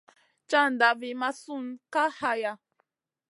Caʼnda vi mʼasun Kay haya.